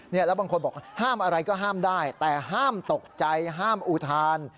แล้วบางคนบอกห้ามอะไรก็ห้ามได้แต่ห้ามตกใจห้ามอุทาน